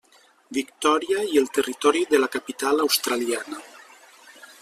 Victòria i el Territori de la Capital Australiana.